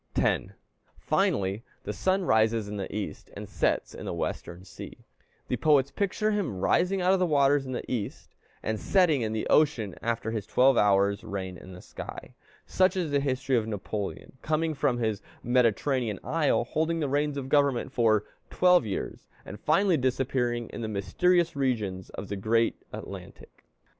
10. Finally, the sun rises in the East and sets in the Western sea. The poets picture him rising out of the waters in the East, and setting in the ocean after his twelve hours' reign in the sky. Such is the history of Napoleon, coming from his Mediterranean isle, holding the reins of government for twelve years, and finally disappearing in the mysterious regions of the great Atlantic.